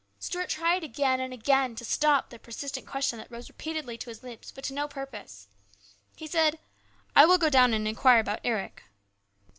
Stuart tried again and again to stop the persistent question that rose repeatedly to his lips, but to no purpose. He said :" I will go down and inquire about Eric."